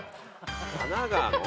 神奈川の？